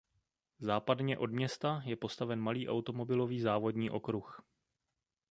Západně od města je postaven malý automobilový závodní okruh.